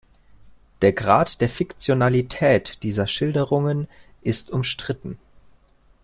Der Grad der Fiktionalität dieser Schilderungen ist umstritten.